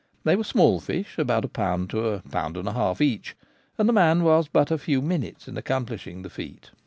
They were small fish, about a pound to a pound and a half each, and the man was but a few minutes in accomplishing the feat.